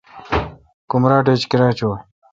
کمراٹ ایچ کیرا چوں ۔